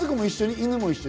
犬も一緒に？